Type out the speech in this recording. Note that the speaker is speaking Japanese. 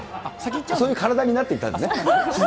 そういう体になってるんです